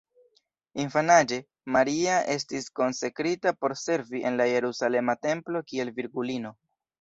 Infanaĝe, Maria estis konsekrita por servi en la jerusalema templo kiel virgulino.